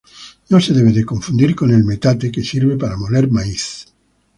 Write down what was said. No se debe de confundir con el metate, que sirve para moler maíz.